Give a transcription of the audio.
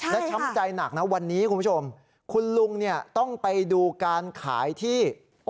และช้ำใจหนักนะวันนี้คุณผู้ชมคุณลุงเนี่ยต้องไปดูการขายที่